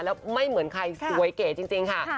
แล้วไม่เหมือนใครสวยเก๋จริงค่ะ